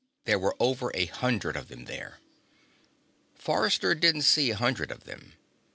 There were over a hundred of them there. Forrester didn't see a hundred of them.